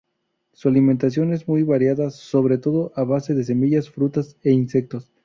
Su alimentación es muy variada, sobre todo a base de semillas, frutas e insectos.